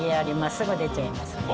すぐ出ちゃいますね。